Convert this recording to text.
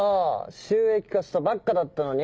収益化したばっかだったのに！